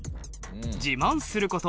自慢すること。